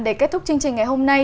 để kết thúc chương trình ngày hôm nay